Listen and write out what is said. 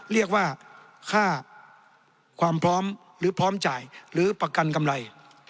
เรียกว่าค่าความพร้อมหรือพร้อมจ่ายหรือประกันกำไร